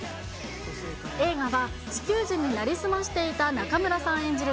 映画は、地球人に成り済ましていた中村さん演じる